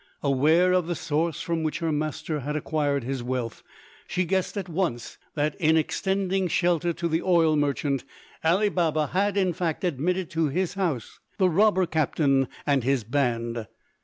Aware of the source from which her master had acquired his wealth, she guessed at once that, in extending shelter to the oil merchant, Ali Baba had in fact admitted to his house the robber captain and his band.